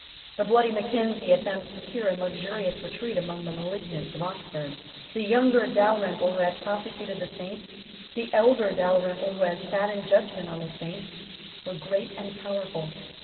The bloody Mackenzie had found a secure and luxurious retreat among the malignants of Oxford. The younger Dalrymple who had prosecuted the Saints, the elder Dalrymple who had sate in judgment on the Saints, were great and powerful.